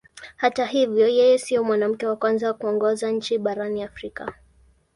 Hata hivyo yeye sio mwanamke wa kwanza kuongoza nchi barani Afrika.